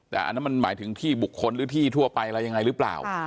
แต่อันนั้นมันหมายถึงที่บุคคลหรือที่ทั่วไปอะไรยังไงหรือเปล่า